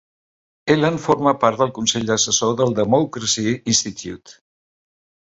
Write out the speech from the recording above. Eland forma part del consell assessor del Democracy Institute.